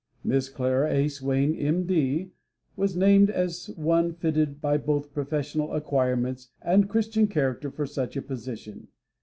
Miss Clara A. Swain, M.D., was named as one fitted by both professional acquirements and Christian character for such a position.